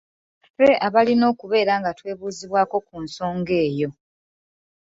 Ffe abalina okubeera nga twebuuzibwako ku nsonga eyo.